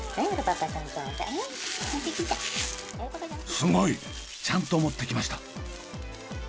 すごい！ちゃんと持ってきました！